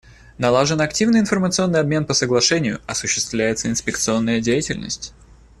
Налажен активный информационный обмен по соглашению, осуществляется инспекционная деятельность.